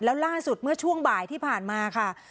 แล้วล่าสุดเมื่อช่วงบ่ายที่ผ่านมาค่ะ